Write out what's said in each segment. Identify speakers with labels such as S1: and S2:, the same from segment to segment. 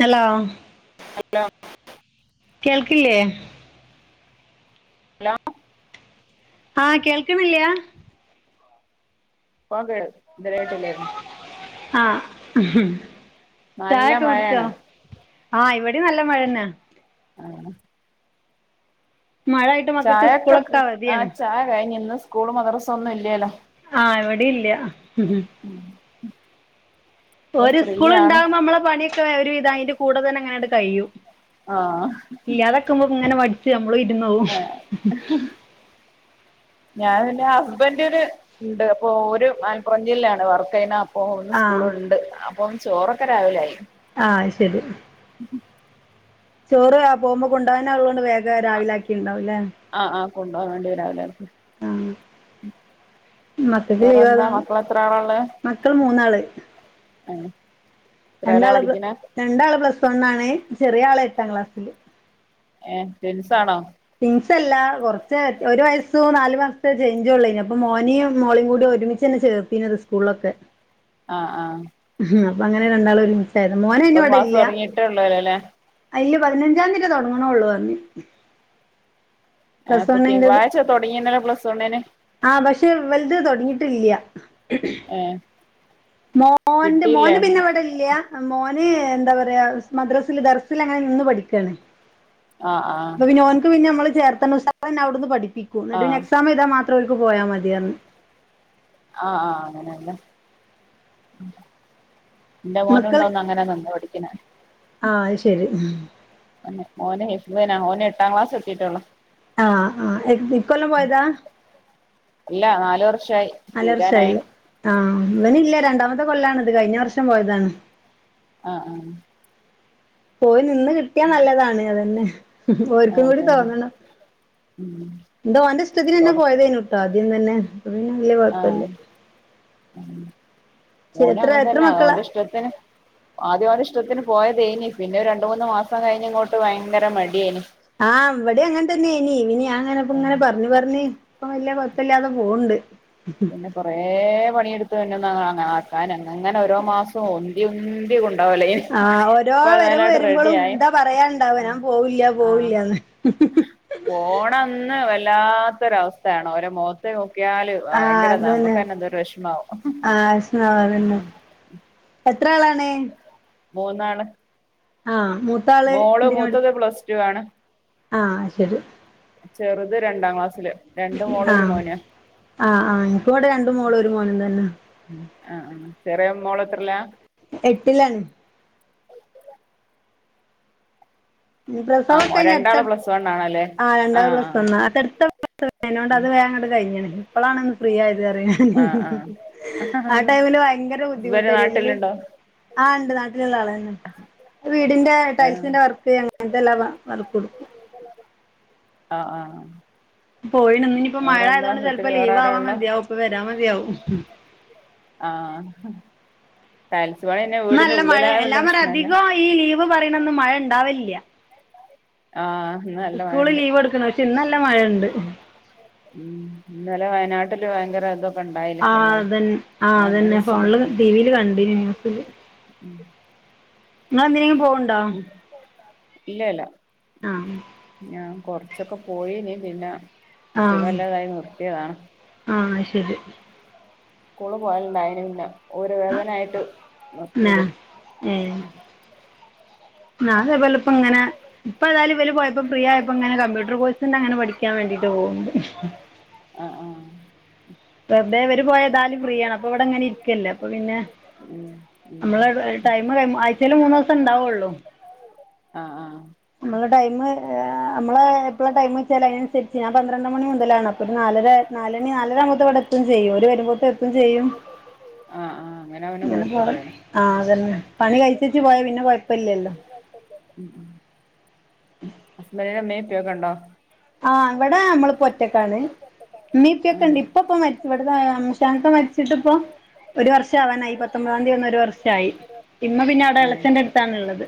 S1: hello
S2: hello
S1: കേൾക്കില്ലേ
S2: hello
S1: ആഹ് കേൾക്കണില്ലാ
S2: പ്പോ കേ കേട്ടില്ലേ
S1: ആഹ് ഹമ്
S2: നല്ല
S1: ചായക്കെ കുടിച്ചോ
S2: മഴയാണ്
S1: ആഹ് ഇവിടെ നല്ല മഴന്നേ
S2: ആഹ്
S1: മഴ ആയിട്ട് മക്കൾക്ക്
S2: ചായൊക്കെ
S1: സ്കൂളൊക്കെ അവധിയാണ്
S2: ആഹ് ചായ കഴിഞ് ഇന്ന് സ്കൂൾ മദ്രസ ഒന്നും ഇല്ലല്ലോ
S1: ആഹ് എവിടെ ഇല്ല
S2: മം
S1: ഓര് സ്കൂള് ണ്ടാകുമ്പോ നമ്മളെ പണിയൊക്കെ ഒരു വിധം അതിന്റെ കൂടെ തന്നെ അങ്ങനണ്ട് കഴിയും
S2: ആഹ്
S1: [unintelligible] നമ്മൾ ഇരുന്ന് പോവും
S2: ഏഹ് ഞാൻന്റെ ഹസ്ബന്റ് ന് ണ്ട് അപ്പൊ ഓര് മലപ്പുറം ജില്ലാണ് വർക്ക് ചെയുന്നെ അപ്പോ ന്ന്
S1: ആ
S2: സ്കൂളുണ്ട് അപ്പൊ ചോറൊക്കെ രാവിലെ ആയി
S1: ആഹ് ശരി ചോറ് ആഹ് പോകുമ്പോ കൊണ്ടകാനുള്ളൊണ്ട് വേഗം രാവിലാക്കിണ്ടാവുല്ലേ
S2: ആഹ് ആഹ് കൊണ്ടുപോകാൻ വേണ്ടി രാവിലെ
S1: ആഹ് മക്കക്ക്
S2: വേറെന്താ
S1: ലീവയോണ്ട്
S2: മക്കള് എത്ര ആളാ
S1: മക്കള് മൂന്നാള്
S2: ഏഹ്
S1: രണ്ടാള് രണ്ടാള് പ്ലസ്സ് വൺ ആണ് ചെറിയ ആള് എട്ടാം ക്ലാസ്സില്
S2: ഏഹ് റ്റുൻസ് ആണോ
S1: റ്റിൻസ് അല്ല കോറച്ച് ഒരു വയസും നാല് മാസത്തെ ചേഞ്ച് ഉള്ളെനി അപ്പ മോനിയിം മോളിയും കൂടി ഒരുമിച്ച് ചേർത്തിനത് സ്കൂളൊക്കെ
S2: ആഹ് ആഹ്
S1: അപ്പൊ അങ്ങനെ രണ്ടാൾ ഒരുമിച്ചായത മോന് അയിന്
S2: ഇപ്പം
S1: ഇവിടെ
S2: ക്ലാസ്
S1: ഇല്ല
S2: തുടങ്ങിയിട്ടേ ഉള്ളൂല്ലോ അല്ലേ
S1: അയില് പതിനഞ്ചാന്തി ഏറ്റെ തൊടങ്ണോള്ളു പറഞ്ഞ് പ്ലസ്
S2: പ്പൊ
S1: വണ്ണിന്റത്
S2: തിങ്കളാഴ്ച തുടങ്ങിണല്ലോ പ്ലസ് വണ്ണിന്
S1: ആഹ് പക്ഷെ ഇവൽത് തോടങ്ങിട്ടില്ല
S2: ഏഹ്
S1: മോന്റെ
S2: കിട്ടിയില്ലേ
S1: മോന് പിന്നെ ഇവിടെ മോന് എന്താ പറയാ മദ്രാസില് ദർസൽ അങ്ങനെ നിന്ന് പഠിക്കാണ്
S2: ആഹ്
S1: അപ്പ
S2: ആഹ്
S1: പിന്നേ ഓൻക്ക് പിന്ന നമ്മള് ചേർത്തണ്ട് ഉസാതെന്നെ അവിടുന്ന് പഠിപ്പിക്കും ന്നട്ട് പിന്നേ
S2: ആഹ്
S1: എക്സാം ചെയ്താ മാ ത്രൊർക്ക് പോയാൽ മതിന്ന്
S2: ആഹ് ആഹ് അങ്ങനെല്ല ന്റെ മോനുണ്ടോന്ന് അങ്ങനെ നിന്ന് പഠിക്ക്ണ്
S1: ആഹ് അഹ് ശരി
S2: ഓന് ഹിഫ്ള്നാ ഓന് എട്ടാം ക്ലാസ് എത്തിട്ടോള്ളൂ
S1: ആഹ് ആഹ് ഇക്കൊല്ലം പോയതാ
S2: അല്ല നാലു വർഷായി
S1: നാല് വർഷായി
S2: തീരാനായി
S1: ലോ ആഹ് ഇവൻ ഇല്ല രണ്ടാമത്തെ കൊല്ലാണ് ഇത് കഴിഞ്ഞ വർഷം പോയതാണ്
S2: ആഹ് ആഹ്
S1: പോയി നിന്ന് കിട്ടിയാ നല്ലതാണ് അതന്നെ
S2: ആഹ്
S1: ഓർക്കും കൂടി
S2: അതന്നെ
S1: തോന്നണം
S2: ഉം
S1: ഇത് ഓന്റെ ഇഷ്ടത്തിനെന്നേ
S2: തൊട
S1: പോയതേനു ആദ്യം തന്നെ പിന്നെ വല്യ കൊഴപ്പല്ല
S2: ആഹ് ആഹ് ഓനും
S1: എത്ര
S2: അങ്ങൻ
S1: എത്ര
S2: തന്നെ
S1: മക്കളാ
S2: ഓന്റെ ഇഷ്ടത്തിന് ആദ്യം ഓന്റെ ഇഷ്ട്ടത്തിന് പോയതേനി പിന്നെ ഒരു രണ്ട് മൂന്ന് മാസം കഴിഞ്ഞ് ഇങ്ങോട്ട് ഭയങ്കര മടിയേനി
S1: ആഹ് ഇവടിം അങ്ങൻ തന്നെ ഏനി പിന്നെ ഞാൻ ഇങ്ങനെപ്പം ഇങ്ങനെ പർഞ്ഞ് പർഞ്ഞ് ഇപ്പം വല്യ കൊഴ്പ്പല്ലാതെ പോവ്ണ്ട്
S2: പിന്നെ കൊറേ പണിയെടുത്ത് തന്നെ ആക്കാൻ അങ്ങനെ ഓരോ മാസും ഉന്തി ഉന്തി കൊ ണ്ടോവലേനി
S1: ആഹ് ഓരോ
S2: ഇപ്പതായാലും
S1: വരവ്
S2: ആട്ട് റെഡി
S1: വരുമ്പളും
S2: ആയി
S1: ഇതാ പറയാണ്ടാവ ഞാൻ പോവില്ല
S2: ആഹ്
S1: പോവില്ലാന്ന്
S2: പോണന്ന് വല്ലാത്തൊരവസ്ഥയാണ് ഓരോ മോഖത്ത് നോക്കിയാല്
S1: ആഹ്
S2: ഭയങ്കരതാ
S1: അതന്നെ
S2: നമ്മക്ക്ന്നെ എന്തോരു വെഷമാവും
S1: ആഹ് വെഷ്മാവും അതന്നെ എത്ര ആളാണ്
S2: മൂന്നാൾ
S1: ആഹ് മു
S2: മോള് മൂത്തത് പ്ലസ് ടു ആണ്
S1: ആഹ് ശരി
S2: ചെറ്ത് രണ്ടാം ക്ലാസ്സില് രണ്ട് മോള് ഒരു
S1: ആഹ്
S2: മോന്
S1: ആഹ് ആഹ് ഇൻക് ഇവടെ രണ്ട് മോളും ഒരു മോനും തന്നെ
S2: ആഹ് ചെറിയ മോള് എത്രലാ
S1: എട്ടിലാണ് പ്രസവം ഒക്കേ
S2: ആ
S1: ഇഞ് അട്ത്ത
S2: രണ്ടാള് പ്ലസ് വൺ ആണല്ലേ
S1: ആ രണ്ടാൾ പ്ലസ് വണ്ണ അട്ത്തട്ത്ത പ്രസവാ അയ്നോണ്ട് അത് വേങ്ങട്ട് കഴിഞ്ഞ്ണ് ഇപ്പളാണ് ഒന്ന് ഫ്രീ ആയത് പറയ
S2: ആ ആ ആ
S1: ആ ടൈമില് ഭയങ്കര
S2: ഹസ്ബൻഡ്
S1: ബുദ്ധിമുട്ടേനി എല്ലു
S2: നാട്ടിലുണ്ടോ
S1: ആ ഇണ്ട് നാട്ടിലുള്ള ആളെന്നെ വീടിന്റെ
S2: ആ
S1: ടൈൽസിന്റെ വർ ക്ക് അങ്ങൻത്തെല്ലാ വർക്കും ഇട്ക്കും
S2: ആ ആഹ്
S1: പോയിണ് ഇന്ന് ഇഞ്ഞ്പ്പോ മഴ ആയതുകൊണ്ട്
S2: വീട്ടില്
S1: ചെലപ്പോ
S2: വേറെ
S1: ലീവ്
S2: ആരാ
S1: ആവാ
S2: ഉള്ളെ
S1: മതിയാവും ഇപ്പൊ വരാ മതിയാവും
S2: ആഹ് ടൈൽസ് പണിന്നേ
S1: ഇന്ന്
S2: വീടിന്റെ
S1: നല്ല മഴ
S2: ഉള്ളിൽ ആയാ
S1: എല്ലാ
S2: വല്യ
S1: പറ
S2: പ്രശ്നല്ല
S1: അധികം ഈ ലീവ് പറയ്ണന്ന് മഴ ഇണ്ടാവല്ല്യ
S2: ആഹ് ന്ന്
S1: സ്കൂള് ലീവ് കൊട്ക്ക്ണ പക്ഷെ ഇന്നല്ല മഴണ്ട്
S2: ഉം ഇന്നലെ വയനാട്ടില് ഭയങ്കര ഇതൊ
S1: ആ അതെൻ ആ അതെന്നെ ഫോണില്
S2: മണ്ണൊലിച്ചിലൊക്കെ
S1: ടിവിൽ കണ്ടീനി ന്യൂസില് ഇങ്ങള് എന്തിനെങ്കി പോവ്ണ്ടോ
S2: ഇല്ലല്ല
S1: ആഹ്
S2: ഞാൻ കൊറച്ചൊക്കെ പോയിനി പിന്നെ സുഖല്ലാതായി നിർത്തിയതാണ്
S1: ആഹ് അയ്ശെരി
S2: സ്കൂള് പോവല്ണ്ടായിനി പിന്നെ ഊര വേദന ആയിട്ട് നിർത്തിയത്
S1: ഉം ന്നാ അതേപോലെ ഇപ്പ ഇങ്ങനെ ഇപ്പൊ എതായും വല് പോയപ്പം ഫ്രീയായപ്പോ ഇങ്ങനെ കമ്പ്യൂട്ടർ കോഴ്സിന്റെ അങ്ങനെ പഠിക്കാൻ വേണ്ടീട്ട് പോക്ണ്ട്
S2: ആഹ് ആഹ്
S1: വെർതേ ഇവര് പോയാ ഏതാലും ഫ്രീയാണ് അപ്പൊ ഇവിടെ ഇങ്ങനെ ഇരിക്കല്ലേ അപ്പൊ പിന്നെ
S2: ഉം ഉം
S1: നമ്മള് [unintelligible] ടൈം ആഴ്ചേല് മൂന്നൂസം ഉണ്ടാവൊള്ളൂ
S2: ആഹ് ആഹ്
S1: നമ്മളെ ടൈം നമ്മള് എപ്പളാ ടൈമ് ച്ചാല് അയ്നൻസരിച്ച് ഞാൻ പന്ത്രണ്ട് മണി മുതലാണ് അപ്പൊ ഒരു നാലര നാലണി നാലര ആവുമ്പോത്തും ഇവിടെ എത്തും ചെയ്യും ഓര് വരുമ്പോത്തും എത്തും ചെയ്യും
S2: ആഹ് ആഹ് അവന്
S1: അങ്ങനെ പോണ്
S2: കൊഴപ്പല്ല്യാലോ
S1: ആഹ് അതെന്നെ പണി കഴിച്ചച്ച് പോയാ പിന്നെ കൊഴപ്പല്ലല്ലോ
S2: ഉം ഉം
S1: [inaudible]
S2: ഹസ്ബൻഡിൻ്റെ ഉമ്മേം ഉപ്പെയൊക്കെ ണ്ടോ
S1: ആഹ് ഇവിടെ നമ്മള് പ്പം ഒറ്റക്കാണ് ഇമ്മീപ്പക്കെ
S2: ഉം
S1: ഇണ്ട് ഇപ്പ പ്പം മര് ഇവിടത്തെ അമ്മോശാക്ക മരിച്ചിട്ട് ഇപ്പം ഒരു വർഷാവാനായി പത്തൊമ്പതാം തീയതി വന്നാ ഒര് വർഷായി ഇമ്മ പിന്നെ അവിടെ
S2: ഏഹ്
S1: എളച്ചന്റെ അട്ത്താണ് ഇള്ളത്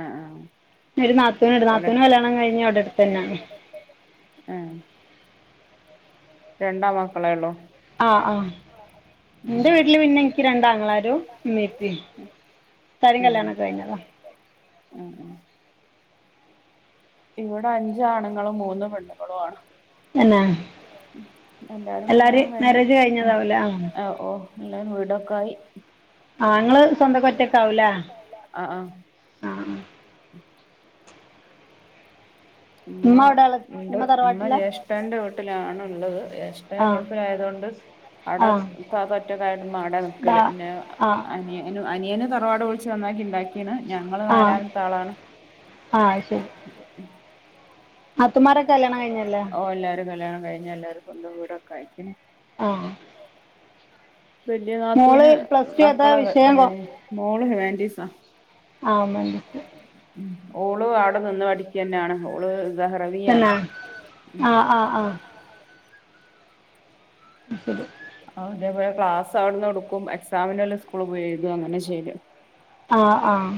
S2: ആഹ് ആഹ്
S1: ഒരു നാത്തൂന്ണ്ട്
S2: ഓലെ
S1: നാത്തൂന്റെ കല്യാണം കഴിഞ്ഞെ അവിടെ അട്ത്തെന്നാണ്
S2: ആഹ് രണ്ട് ആമക്കളേ ഒള്ളോ
S1: ആഹ് ആഹ് ഇന്റെ വീട്ടില് പിന്നെ ഇൻക്ക് രണ്ടാങ്ങളാരും ഇമ്മീം ഇപ്പീം ത്താരിം
S2: ഏഹ്
S1: കല്യണം ഒക്കെ കഴിഞ്ഞതാ
S2: ആഹ് ആഹ് ഇവിടെ അഞ്ച് ആണ്ങ്ങളും മൂന്ന് പെണ്ണുങ്ങളും ആണ്
S1: തന്നേ
S2: എല്ലാരും
S1: എല്ലാരിം
S2: കല്യാണം കഴിഞ്ഞ്
S1: മാരേജ്
S2: ഉം
S1: കഴിഞ്ഞതാവുലേ ആഹ്
S2: ഓഹ് ഇല്ലേ വിടൊക്കായി
S1: ആഹ് ഇങ്ങള് സ്വന്തം ഒറ്റക്കാവുലേ
S2: ആഹ് ആഹ് ഉമ്മ
S1: എവിടെ ഉള്ള
S2: ഉണ്ട് ഉമ്മ
S1: തറവാട്ടിലാ
S2: ജേഷ്ഠന്റെ വീട്ടിലാണ് ഇള്ളത് ജേഷ്ഠൻ
S1: ആ
S2: ഗൾഫിലായതുകൊണ്ട് അവ്ടാ
S1: ആ
S2: ഇത്താത്ത ഒറ്റക്കയതൊണ്ട് ഉമ്മ അവിടാ
S1: ദാ
S2: നിൽക്കല് പിന്നെ
S1: ആ
S2: അനിയൻ [inaudible] അനിയന് തറവാട് പൊളിച്ച് നന്നാക്കി ഇണ്ടാക്കിയാണ് ഞങ്ങള് നാലാമത്തെ ആളാണ്
S1: ആഹ് ശരി നാത്തൂമാരെക്കെ കല്യണം കഴിഞ്ഞല്ലേ
S2: ഓഹ് എല്ലാരും കല്യാണം കഴിഞ്ഞ് എല്ലാ സ്വന്തം വിടൊക്കെ ആയിരിക്കും
S1: ആഹ്
S2: വലിയ
S1: മോള്
S2: നാത്തൂന്
S1: പ്ലസ് ടു ഏതാ
S2: മക്കളെ
S1: വിഷയം കൊ
S2: കല്യണം കഴിഞ്ഞ് മോള് ഹുമാനിറ്റീസാ
S1: ആഹ് ഹുമാനിറ്റീസ്
S2: മ്മ് ഓള് അവിടെ നിന്ന് പഠിക്കാന്നാണ് ഓള് [unintelligible] ആണ് ഓ
S1: ആഹ് ആഹ് ശരി
S2: അതേപോലെ ക്ലാസ് അവിടുന്ന് എടുക്കും എക്സാമിനലെ സ്കൂള് [unintelligible] അങ്ങനെ ചെയല്ല്
S1: ആഹ് ആഹ്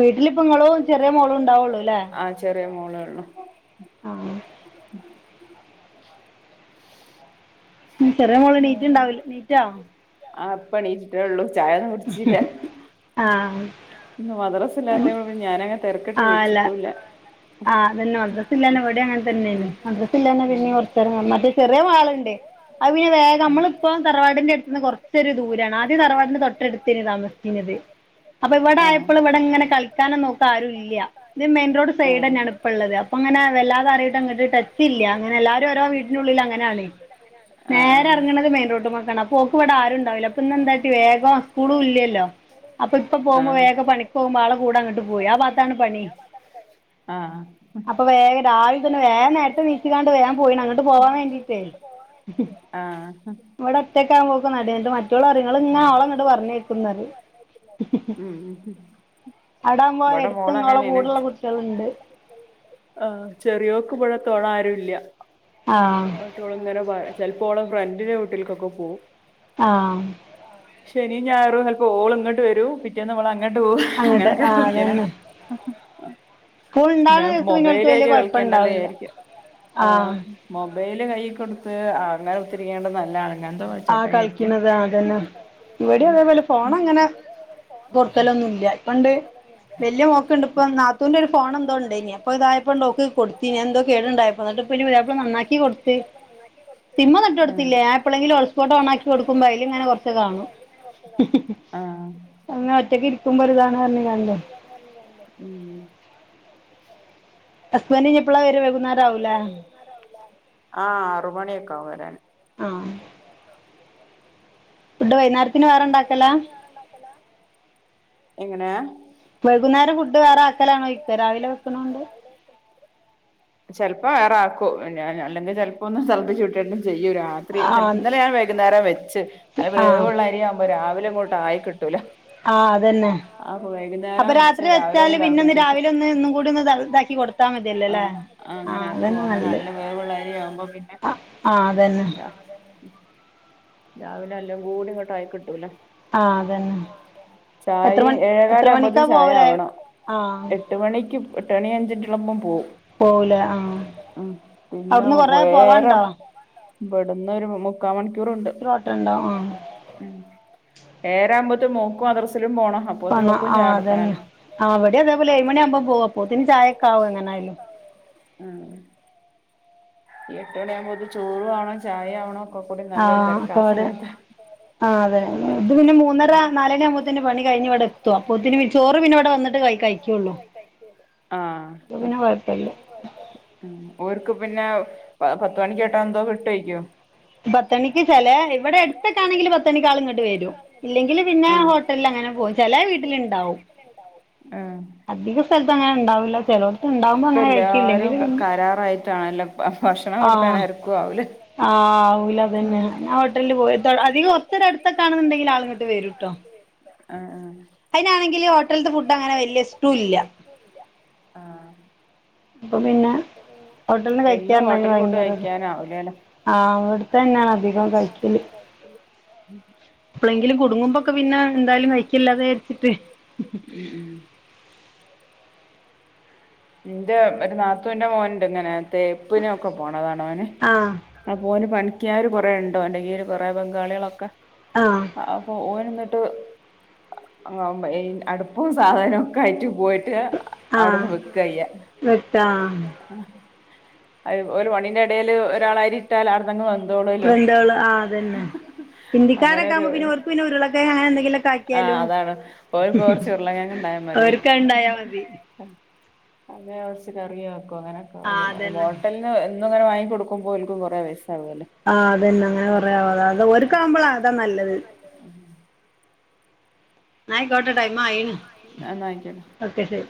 S1: വീട്ടിലിപ്പ ഇങ്ങളും ചെറിയ മോളും ഉണ്ടാവുള്ളൂലെ
S2: ആഹ് ചെറിയ മോളെള്ളു
S1: ആഹ് ചെറിയ മോള് എനീറ്റ് ഇണ്ടാവില്ല എനീറ്റോ
S2: ആഹ് എപ്പണീറ്റെള്ളൂ ചായ ഒന്നും കുടിച്ചില്ല
S1: ആഹ്
S2: ഇന്ന് മദ്രസ ഇല്ലത്തെ ഞാനങ്ങെ തിരക്കിട്ട് വിളിച്ചിട്ടൂല്ല
S1: ആഹ് തന്നെ മദറസല്ലേന്നെ ഇവിടെ അങ്ങനെ തന്നെയാണ് മദറസ ഇല്ലന്നെ പിന്നെ കുറച്ചേരം മറ്റേ ചെറിയ മാളുണ്ട് അത് പിന്നെ വേഗം നമ്മള് ഇപ്പോ തറവാടിന്റെ അടുത്ത് നിന്ന് കുറച്ചൊരു ദൂരാണ് ആദ്യം തറവാടിന്റെ തൊട്ടടുത്താണ് താമസിക്കണത് ആഹ് അപ്പ ഇവിടെ
S2: ആഹ്
S1: ആയപ്പള് ഇവിടെ ഇങ്ങനെ കളിക്കാനൊന്ന് ഓൾക് ആരു ഇല്ല്യ ഇത് മെയിൻറോഡ്
S2: ആഹ്
S1: സൈഡെന്നാണ് ഇപ്പ ഇള്ളത് അപ്പ അങ്ങനെ വല്ലിതെ അരായിട്ട് അങ്ങട്ട് ടച്ചില്ല്യ അങ്ങനെ എല്ലാരും ഒരോ വീട്ട് നുള്ളിൽ അങ്ങനാണ് നേരെ
S2: ആഹ്
S1: ഇറങ്ങണത് മെയിൻ റോട്ട്മക്കാണ് അപ്പോ ഓക്ക് ഇവിടെ ആരും ഉണ്ടാവില്ല അപ്പംഇന്ന് എന്താട്ടി വേഗം സ്കൂളും ഇല്ലല്ലോ അപ്പ ഇപ്പൊ പോകുമ്പോ
S2: ആഹ് ആഹ്
S1: വേഗ പണിക്ക് പോകുമ്പോ ആളെ കൂടെ അങ്ങട്ട് പോയി ആ ഭാത്താണ് പണി
S2: ആഹ്
S1: അപ്പ വേഗം രാവിലെ തന്നെ വേഗ നേരത്തെ നീച്ച്കാണ്ട് വേഗം പോയിണ് അങ്ങിട്ട് പോവാൻ വേണ്ടിട്ടേ ഉം
S2: ആഹ്
S1: ഇവിടെ ഒറ്റക്ക്‌ ആകുമ്പോ ഓക്ക് മടി എന്നിട്ട് മറ്റോള് പറയും നിങ്ങള് ഇങ്ങ ഓള ഇങ്ങിട് പറഞ്ഞേക്കുംന്നറയും [inaudible]
S2: ഉം ഉം ഉം
S1: അടാംപോ എടുത്തങ്ങള കൂടെള്ള കുട്ടികളുണ്ട്
S2: ആഹ് ചെറിയോക്ക് ഇവിടെ തോടാ ആരുല്ല
S1: ആഹ്
S2: ഓള് ഇങ്ങനെ പറ ചിലപ്പോ ഓള ഫ്രണ്ടിന്റെ വീട്ടിലൊക്കെ പോവും
S1: ആഹ്
S2: ശനിൽ ഞായറും ചിലപ്പോ ഓൾ ഇങ്ങോട്ട് വരും പിറ്റേന്നിവൾ അങ്ങട്ട് പോകും
S1: അങ്ങട്ട്
S2: അങ്ങനെക്കെ
S1: ആഹ്
S2: കളിക്കലാ
S1: അതന്നെ സ്കൂൾ
S2: എന്ന
S1: ഇണ്ടാവ്ണ ദിവസം പിന്നെ ഓൽക്ക് വല്യ
S2: മൊബൈലായിട്ട് കളിക്കേണ്ടല്ല
S1: കൊഴപ്പണ്ടാവില്ല
S2: വിചാരിക്ക ആഹ് മൊബൈല് കൈ കൊടുത്ത് അങ്ങനെ ഒത്തിരിക്കണ്ടത് നല്ലാണ്
S1: ആഹ് കളിക്കണത് അതന്നെ ഇവിടെ
S2: ആഹ്
S1: അതേപോലെ ഫോണങ്ങനെ കൊറത്തൊലൊന്നും ഇല്ല പണ്ട് വല്യ മോക്ക് ഇണ്ട്പ്പ നാത്തൂന്റെ ഒരു ഫോണ് എന്തോ ഇണ്ടായിഞ്ഞ് അപ്പ ഇതായപ്പോണ്ട് ഓക്ക് കൊടുത്തിനി എന്തോ കേടുണ്ടായ അന്നിട്ട്പ്പോപുതിയ്യപ്പിള നന്നാക്കി കൊടുത്ത് സിം ഒന്നും ഇട്ട് കൊടുത്തില്ലേ ഞാൻ എപ്പഴെങ്കിലും- ഹോറ്റ്സ്‌പോർട്ട് ഓൺണ്ണാക്കി കൊടുക്കുമ്പോ അയില് ഇങ്ങനെ കൊറച്ച് കാണും
S2: ആഹ്
S1: അങ്ങനെ ഒറ്റയ്ക്ക് ഇരിക്കുമ്പോ ഒരുതാണ് [unintelligible]
S2: ഉം
S1: ഹസ്ബൻഡ് ഇനി ഇപ്പളാ വരെ വൈകുന്നാരാവൂല്ലേ
S2: ആഹ് ആറ് മണിയൊക്കെ ആവും വരാൻ
S1: ആഹ് ഫുഡ് വൈകുന്നേരത്തിന് വേറെണ്ടാക്കല
S2: എങ്ങനെ
S1: വൈകുന്നേരം ഫുഡ് വേറെ ആക്കലാണോ [unintelligible] രാവിലെ വെക്കണൊണ്ട്
S2: ചേലപ്പോ വേറൊക്കൂ ഞ അല്ലെങ്കിൽ ചിലപ്പോ ഒന്ന് തിളപ്പിച്ച് ഉറ്റണ്ട് ചെയ്യും രാ- ത്രി ചിലപ്പോ
S1: ആഹ്
S2: ഇന്നലെ ഞാൻ വൈകുന്നേരം വെച്ച് അത്
S1: ആഹ്
S2: വേവുള്ള അരിയാവുമ്പോ രാവിലെ ഇങ്ങോട്ട് ആയി കിട്ടൂല
S1: ആഹ് അതന്നെ
S2: അപ്പൊ
S1: അപ്പ
S2: വൈകുന്നേരം
S1: രാത്-
S2: വെച്ച്
S1: രാത്രി
S2: രാവിലെ
S1: വെച്ചാല് പിന്നെ ഒന്ന്
S2: തിളപ്പിച്ച് വിട്ടു
S1: രാവിലെ ഒന്ന് ഇന്നും കൂടി ഒന്ന് ഇതാക്കി കൊടുത്താൽ മതിയല്ലോ അല്ലേ
S2: അങ്ങനക്കു അങ്ങനെഅല്ല വേവുള്ള അരി ആവുമ്പോ പിന്നെ
S1: ആഹ് അതന്നെ
S2: ഇതാ അതെ രാവിലെ എല്ലാം കൂടി ഇങ്ങോട്ടായിക്കിട്ടൂല്ല
S1: ആഹ് അതന്നെ എത്ര മണി
S2: ചായെഏഴേകാല
S1: എത്ര
S2: ആകുമ്പോത്തെ
S1: മണിക്കാ
S2: ചായ
S1: പോവല്
S2: ആവണം
S1: ആഹ്
S2: എട്ട് - എട്ട് മണിക്കും എട്ട്ണി അഞ്ച് മിനിറ്റുള്ളപ്പോൾ പോവും
S1: പോവൂലേ ആഹ്
S2: ഉം പിന്നെ
S1: അവിടുന്ന് കൊറേ പോവാണ്ടോ
S2: [unintelligible] ഇവിടന്ന് ഒരു മുക്കാ മണിക്കൂറുണ്ട്
S1: ഓട്ടഉണ്ടാവും ആഹ്‌
S2: ഉം ഏഴര ആവുമ്പോത്തിന് മോക്കും മദ്രസിലും പോണം അപ്പോത്തിന്
S1: പണ
S2: ഓക്കും ചായ
S1: അതന്നെ
S2: കൊടുക്കണല്ലോ
S1: അവിടെ അതേപോലെ ഏഴുമണി ആകുമ്പോ പോവാ പോത്തിന് ചായൊക്കെ ആവും എങ്ങന ആയാലും
S2: ഉം ഈ എട്ട് മണി ആകുമ്പോ ഇത് ചോറ് ആവണോ ചായ ആവണോ ഒക്കെ കൂടി നല്ലൊരു തിരക്ക ആ സമയത്ത്
S1: ആഹ് അത ഇത് പിന്നെ മൂന്നര നാല് മണി ആകുമ്പോത്തിന് പണി കഴിഞ്ഞ് ഇവിടെ എത്തും അപ്പത്തിന് ചോറ് പിന്നെ ഇവിടെ വന്നിട്ട് കഴിക്കും കഴിക്കുള്ളൂ അപ്പൊ
S2: ആഹ്
S1: പിന്നെ കൊഴപ്പല്ല
S2: ഉം ഓർക്ക് പിന്നെ പത്ത് മണിക്ക്ോട്ടാ എന്തോ വിട്ടയക്കും
S1: പത്തണിക്ക് ചില ഇവിടെ അടുത്തൊക്കാണെങ്കിൽ പത്ത് മണിക്കാള് ഇങ്ങോട്ട് വരും ഇല്ലെങ്കിൽ പിന്നെ
S2: ഉം
S1: ഹോട്ടലിൽ അങ്ങനെ പോകും ചില വീട്ടിലുണ്ടാവും
S2: ആഹ്‌
S1: അധിക സ്ഥലത്ത് അങ്ങനെ ഉണ്ടാവില്ല ചെലോടത്ത് ഉണ്ടാവുമ്പോ
S2: ഇപ്പ
S1: അങ്ങനെ കഴിക്കും
S2: എല്ലാരും
S1: ഇല്ലെങ്കിൽ പിന്നെ
S2: കരാറായിട്ടാണല്ലാം ഭക്ഷണം
S1: ആഹ്
S2: കൊടുക്കാനാരിക്കു ആവല്
S1: ആഹ് ആവുല്ല പിന്നെ ഞാൻ ഹോട്ടലിൽ പോയിട്ട് അധികം [unintelligible] അടുത്തൊക്കാണെന്നുണ്ടെങ്കിൽ ആളങ്ങോട്ട് വരു ട്ടോ അതിനാണെങ്കിൽ ഹോട്ടലത്ത് ഫുഡ് അങ്ങനെ വലിയ ഇഷ്ടവും ഇല്ല
S2: ആഹ്
S1: അപ്പൊ പിന്നെ ഹോട്ടലന്ന്
S2: എന്നും
S1: കഴിക്കാപറഞ്ഞ
S2: ഹോട്ടൽ ഫുഡ്
S1: ഭയങ്കര ഇത്
S2: കഴിക്കാനാവൂലല്ലോ
S1: ആഹ് ഇവിടുത്ത തന്നെയാണ് അധികം കഴിക്കല് എപ്പഴെങ്കിലും കുടുങ്ങുമ്പൊക്കെ പിന്നെ എന്തായാലും കയിക്കില്ലാ വിചാരിച്ചിട്ട്
S2: ഉം ഉം എന്റെ ഒരു നാത്തുന്റെ മോൻണ്ട് ഇങ്ങനെ തേപ്പിനൊക്കെ പോണതാണോന്
S1: ആഹ്
S2: ഓനു പണിക്കാർ കൊറേ ഉണ്ടോ എന്റെ കീഴില് കൊറെേ ബംഗാളികളൊക്കെ
S1: ആഹ്
S2: ആഹ് ഓൻ എന്നിട്ട് അ അടുപ്പും സാധനവും ഒക്കെ ആയിട്ട് പോയിട്ട് അവിടുന്ന്
S1: ആഹ്
S2: വ കയ്യ
S1: വെക്കാ
S2: അത് ഒരു പണിന്റെ ഇടയിൽ ഒരാൾ അരി ഇട്ടാൽ അതങ്ങ് വന്നു
S1: രണ്ടോള് ആഹ് അതന്നെ
S2: അങ്ങനെ
S1: ഹിന്ദിക്കാരൊക്കെ ആകുമ്പോ
S2: ഒരു
S1: പിന്നെ ഓർക്ക് പിന്നെ ഉരുളക്കിഴങ്ങ് അങ്ങനെ എന്തെങ്കിലും ഒക്കെ
S2: ആഹ്
S1: ആക്കിയാലോ
S2: അതാണ് ഓൽക്ക് കൊറച്ച് ഉരുളകിഴങ്ങ് ഇണ്ടായാ മതി
S1: അവർക്കെ ഉണ്ടായാ മതി
S2: അങ്ങനെ കുറച്ച് കറിയ ആക്കും അങ്ങനെെ
S1: ആഹ്
S2: അറയില്ല
S1: അതന്നെ
S2: ഹോട്ടല എന്നും ഇങ്ങനെ വാങ്ങി കൊടുക്കുമ്പോ ഓൽക്കും കെറേ പൈസ ആങ്കൊല്ലോ
S1: ആഹ് അതന്നെ അങ്ങനെ കുറയാത അത ഒരുക്കാവവുമ്പോളാ അതാ നല്ലത് ന്നാ ആയിക്കോട്ടെട്ടോ ടൈമ ആയി ന്ന
S2: എന്നാ ആയിക്കോട്ടെ
S1: ഓക്കെ ശരി